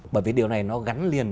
bởi vì điều này nó gắn liền